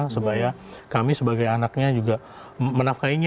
sebaya kami sebagai anaknya juga menafkahinya